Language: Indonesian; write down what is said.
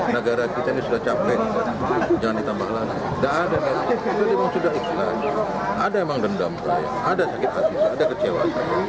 negara kita ini sudah capek jangan ditambah lagi itu memang sudah ikhlas ada memang dendam ada sakit hati ada kecewa